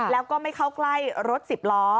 แล้วก็ไม่เข้าใกล้รถสิบล้อ